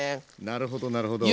なるほどなるほど。